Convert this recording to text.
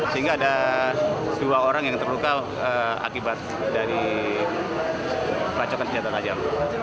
sehingga ada dua orang yang terluka akibat dari pelacakan senjata tajam